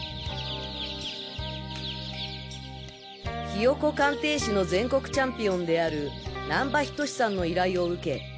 ひよこ鑑定士の全国チャンピオンである難波仁志さんの依頼を受け